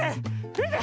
みて！